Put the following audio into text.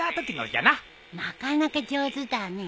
なかなか上手だね。